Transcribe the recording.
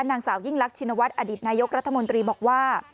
นางสาวยิ่งรักชินวัฒนอดีตนายกรัฐมนตรีบอกว่า